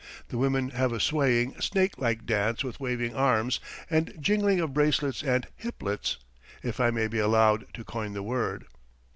The women have a swaying, snake like dance with waving arms and jingling of bracelets and "hiplets," if I may be allowed to coin the word.